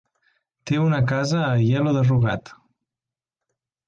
Té una casa a Aielo de Rugat.